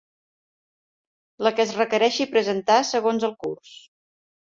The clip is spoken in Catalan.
La que es requereixi presentar segons el curs.